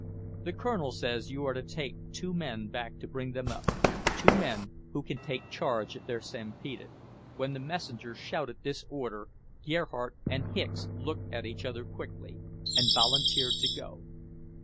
"The Colonel says you are to send two men back to bring them up; two men who can take charge if they're stampeded." When the messenger shouted this order, Gerhardt and Hicks looked at each other quickly, and volunteered to go.